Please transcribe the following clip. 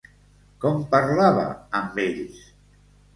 Com parlava amb ells?